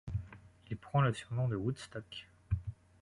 Il prend le surnom de Woodstock.